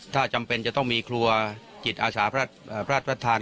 ถ้าจำเป็นจะต้องมีครัวจิตอาสาพระราชทาน